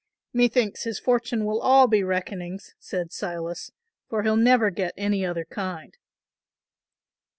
"Methinks his fortune will all be reckonings," said Silas, "for he'll never get any other kind."